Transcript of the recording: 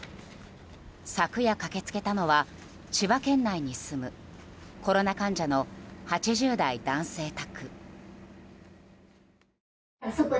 昨夜駆け付けたのは千葉県内に住むコロナ患者の８０代男性宅。